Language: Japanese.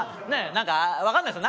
なんかわかんないですよ？